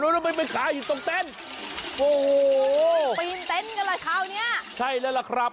ักวันไปไปในขาต้องเต้น